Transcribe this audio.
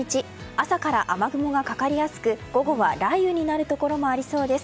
朝から雨雲がかかりやすく午後は雷雨になるところもありそうです。